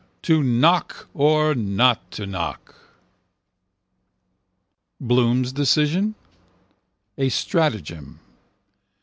To knock or not to knock. Bloom's decision? A stratagem.